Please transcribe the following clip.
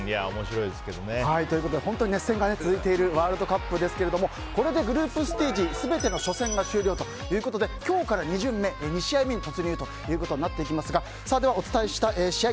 本当、熱戦が続いているワールドカップですがこれでグループステージ全ての初戦が終了ということで今日から２巡目、２試合目に突入ということになりますがお伝えした試合